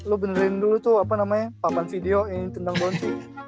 lu benerin dulu tuh apa namanya papan video yang tentang bonsai